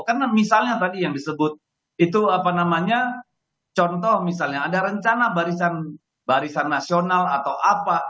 karena misalnya tadi yang disebut itu apa namanya contoh misalnya ada rencana barisan barisan nasional atau apa